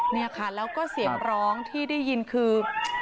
เนี่ยค่ะแล้วก็เสียงร้องที่ได้ยินคือ